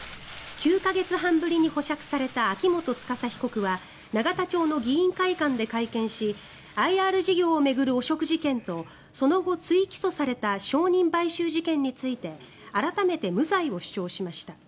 ９か月半ぶりに保釈された秋元司被告は永田町の議員会館で会見しＩＲ事業を巡る汚職事件とその後、追起訴された証人買収事件について改めて無罪を主張しました。